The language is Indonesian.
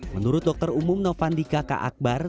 menurut dokter umum novandika k akbar